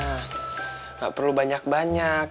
nggak perlu banyak banyak